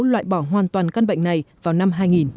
loại bỏ hoàn toàn căn bệnh này vào năm hai nghìn